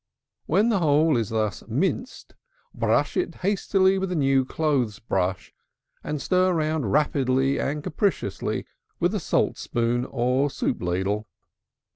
When the whole is thus minced, brush it up hastily with a new clothes brush, and stir round rapidly and capriciously with a salt spoon or a soup ladle.